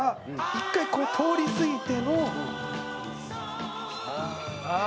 １回通り過ぎて。